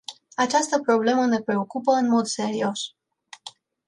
Această problemă ne preocupă în mod serios.